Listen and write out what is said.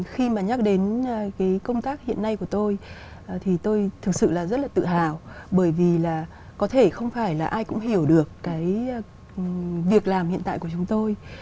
khi bà nhắc đến công tác hiện nay của tôi thì tôi thực sự rất tự hào bởi vì có thể không phải ai cũng hiểu được việc làm hiện tại của chúng tôi